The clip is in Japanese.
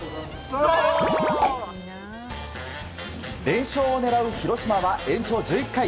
連勝を狙う広島は延長１１回